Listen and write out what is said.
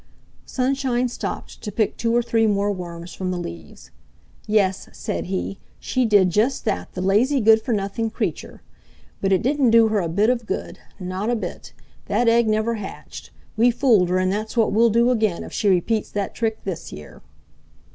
Sunshine stopped to pick two or three more worms from the leaves. "Yes," said he. "She did just that, the lazy good for nothing creature! But it didn't do her a bit of good, not a bit. That egg never hatched. We fooled her and that's what we'll do again if she repeats that trick this year."